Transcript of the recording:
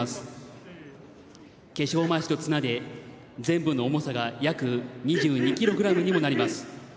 化粧まわしと綱で全部の重さが約２２ｋｇにもなります。